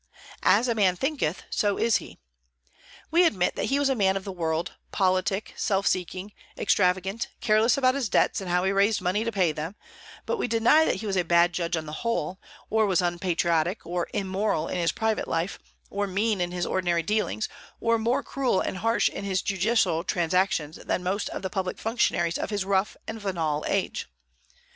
"As a man thinketh, so is he." We admit that he was a man of the world, politic, self seeking, extravagant, careless about his debts and how he raised money to pay them; but we deny that he was a bad judge on the whole, or was unpatriotic, or immoral in his private life, or mean in his ordinary dealings, or more cruel and harsh in his judicial transactions than most of the public functionaries of his rough and venal age.